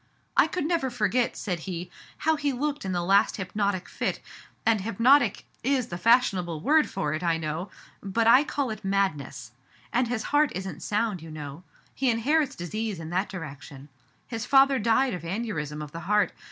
" I could never forget," said he, " how he looked Digitized by Google MRS, HUNGERFORD. l8l in the last hypnotic fit, and hypnotic is the fash ionable word for it, I know, but I call it madness. And his heart isn't sound, you know. He inherits disease in that direction. His father died of aneurism of the heart.